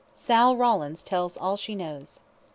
SAL RAWLINS TELLS ALL SHE KNOWS.